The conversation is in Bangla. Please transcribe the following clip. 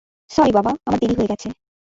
সরি বাবা, আমার দেরি হয়ে গেছে।